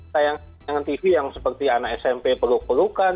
sayang sayangan tv yang seperti anak smp peluk pelukan